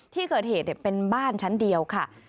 ที่เกิดเหตุเป็นบ้านชั้นเดียวค่ะ